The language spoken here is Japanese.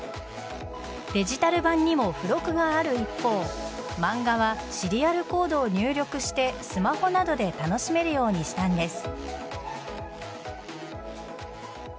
デジタル版にも付録がある一方漫画はシリアルコードを入力してスマホなどで楽しめるようにしたんです。